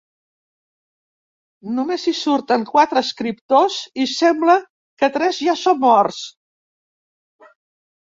Només hi surten quatre escriptors i sembla que tres ja són morts.